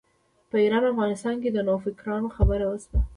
په ایران او افغانستان کې د نوفکرانو خبره وشوه.